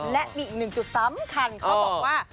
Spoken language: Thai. และมีอีกหนึ่งจุดสำคัญเขาบอกว่า